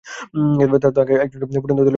তাদের একজনকে ফুটন্ত তেলের পাতিলে নিক্ষেপ করা হল।